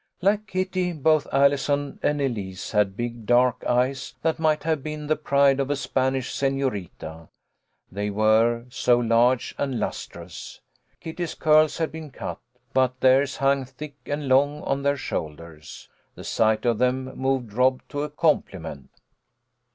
Like Kitty, both Allison and Elise had big dark eyes that might have been the pride of a Spanish sefiorita, they were so large and lustrous. Kitty's curls had been cut, but theirs hung thick and long on their shoulders. The sight of them moved Rob to a compliment.